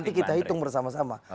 nanti kita hitung bersama sama